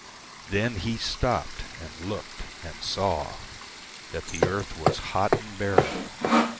Then He stopped and looked and sawThat the earth was hot and barren.